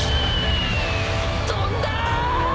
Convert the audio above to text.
飛んだ！